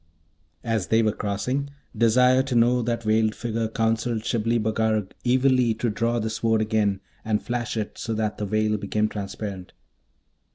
As they were crossing, desire to know that Veiled Figure counselled Shibli Bagarag evilly to draw the Sword again, and flash it, so that the veil became transparent.